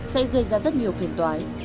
sẽ gây ra rất nhiều phiền toái